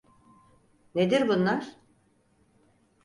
Nedir bunlar?